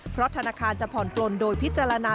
เพราะธนาคารจะผ่อนปลนโดยพิจารณา